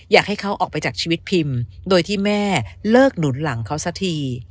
อยากให้เขาออกไปจากชีวิตพิมพ์โดยที่แม่เลิกหนุนหลังเขาสักที